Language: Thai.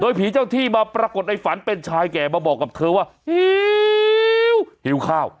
ผีเจ้าที่มาปรากฏในฝันเป็นชายแก่มาบอกกับเธอว่าหิวหิวข้าว